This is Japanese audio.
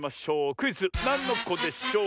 クイズ「なんのこでショー」